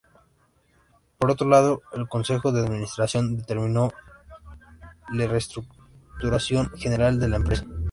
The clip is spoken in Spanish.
Por otro lado, el Consejo de Administración determinó le reestructuración general de la empresa.